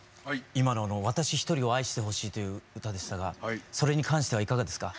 今の私一人を愛してほしいという歌でしたがそれに関してはいかがですか？